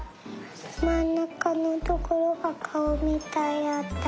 まんなかのところがかおみたいだった。